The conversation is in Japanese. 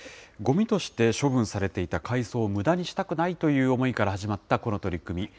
ごみとして処分されていた海藻をむだにしたくないという思いから始まったこの取り組み。